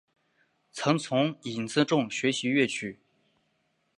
曾从尹自重学习粤曲。